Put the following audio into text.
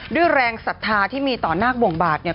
แรงศรัทธาที่มีต่อนาคบวงบาดเนี่ย